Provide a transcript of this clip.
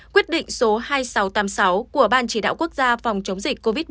quyết định số hai nghìn sáu trăm tám mươi sáu của ban chỉ đạo quốc gia phòng chống dịch covid một mươi chín